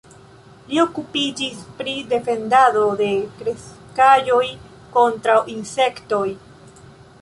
Li okupiĝis pri defendado de kreskaĵoj kontraŭ insektoj.